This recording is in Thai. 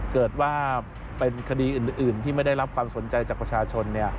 เกิดว่าเป็นคดีอื่นที่ไม่ได้รับความสนใจจากประชาชน